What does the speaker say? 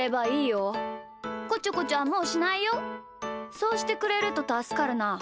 そうしてくれるとたすかるな。